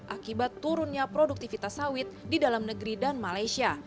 akibat turunnya produktivitas sawit di dalam negeri dan malaysia